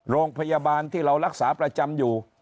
โรงพยาบาลที่เรารักษาประจำอยู่